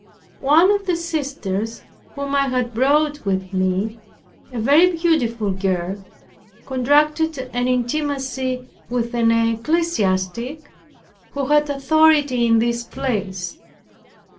One of the sisters whom I had brought with me, a very beautiful girl, contracted an intimacy with an ecclesiastic, who had authority in this place.